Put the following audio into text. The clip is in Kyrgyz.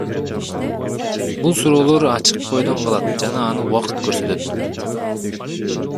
Бул суроолор ачык бойдон калат жана аны убакыт көрсөтөт.